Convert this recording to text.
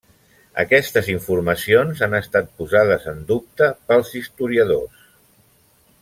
Aquestes informacions han estat posades en dubte pels historiadors.